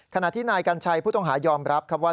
ขณะที่นายกัญชัยผู้ต้องหายอมรับครับว่า